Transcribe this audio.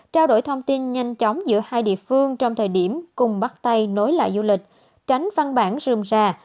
trao đổi thông tin nhanh chóng giữa hai địa phương trong thời điểm cùng bắt tay nối lại du lịch tránh văn bản rươm rà